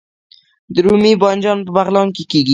رومي بانجان په بغلان کې کیږي